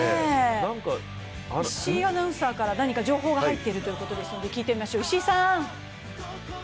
石井アナウンサーから何か情報が入っているそうですので、聞いてみましょう。